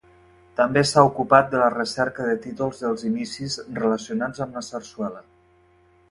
També s'ha ocupat de la recerca de títols dels inicis relacionats amb la sarsuela.